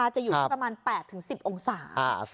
จะอยู่ที่ประมาณ๘๑๐องศา